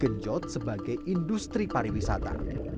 dan menunjut sebagai industri pariwisata